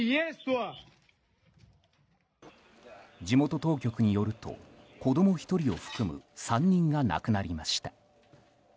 地元当局によると子供１人を含む３人が亡くなりました。